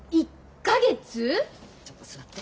ちょっと座って。